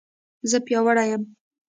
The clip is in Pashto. زه پیاوړې یم